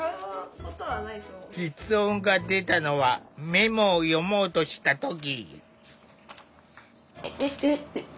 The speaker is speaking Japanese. きつ音が出たのはメモを読もうとした時。